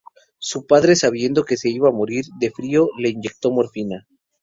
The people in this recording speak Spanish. Su padre sabiendo que se iba a morir de frío le inyectó morfina.